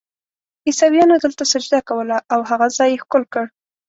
عیسویانو دلته سجده کوله او هغه ځای یې ښکل کړ.